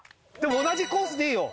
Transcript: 同じコースでいいよ。